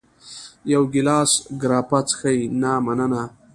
یو ګېلاس ګراپا څښې؟ نه، مننه.